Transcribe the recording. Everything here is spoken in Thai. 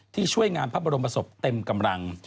ช่วยงานพระบรมศพเต็มกำลัง